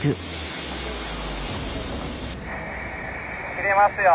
・切れますよ。